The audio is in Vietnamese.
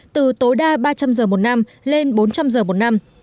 từ tối đa ba trăm linh giờ một năm lên bốn trăm linh giờ một năm